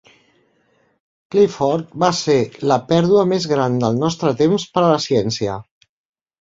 Clifford va ser "la pèrdua més gran del nostre temps per a la ciència".